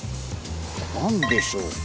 何でしょうか。